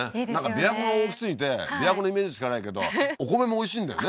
琵琶湖が大きすぎて琵琶湖のイメージしかないけどお米もおいしいんだよね